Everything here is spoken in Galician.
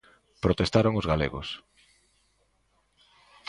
Protestaron os galegos.